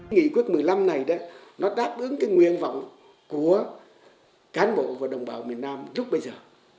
nghị quyết một mươi năm này nó đáp ứng cái nguyện vọng của cán bộ và đồng bào miền nam trước bây giờ